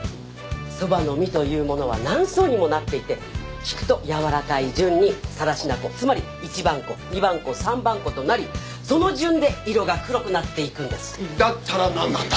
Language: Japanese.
そばの実というものは何層にもなっていてひくとやわらかい順に更科粉つまり１番粉・２番粉・３番粉となりその順で色が黒くなっていくんですだったら何なんだ！